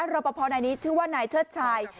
รอปภนายนี้ชื่อว่านายเชิดชาย